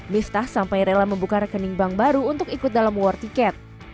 miftah sampai rela membuka rekening bank baru untuk ikut dalam war ticket